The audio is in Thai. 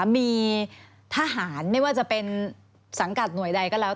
มีทหารไม่ว่าจะเป็นสังกัดหน่วยใดก็แล้ว